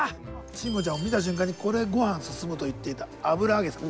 慎吾ちゃんも見た瞬間にこれ御飯進むと言っていた油揚げさん。